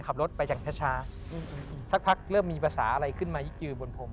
ขับรถไปอย่างช้าสักพักเริ่มมีภาษาอะไรขึ้นมายืนบนผม